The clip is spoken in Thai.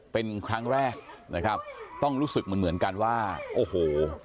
เป็นครั้งแรกนะครับต้องรู้สึกเหมือนเหมือนกันว่าโอ้โห